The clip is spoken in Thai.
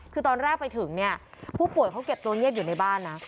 คือตอนแรกไปถึงเนี่ยผู้ป่วยเขาเก็บตัวเงียบอยู่ในบ้านนะ